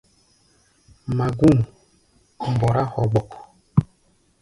Magú̧u̧ mbɔrá hogbok.